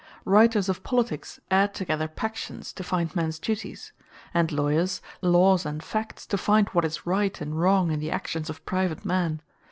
Writers of Politiques, adde together Pactions, to find mens Duties; and Lawyers, Lawes and Facts, to find what is Right and Wrong in the actions of private men.